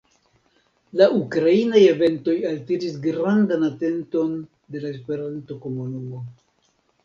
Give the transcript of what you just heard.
La ukrainiaj eventoj altiris grandan atenton de la Esperanto-komunumo.